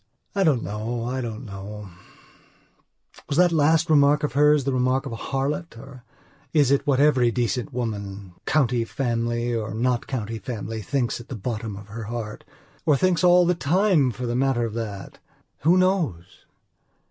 I don't know; I don't know; was that last remark of hers the remark of a harlot, or is it what every decent woman, county family or not county family, thinks at the bottom of her heart? Or thinks all the time for the matter of that? Who knows?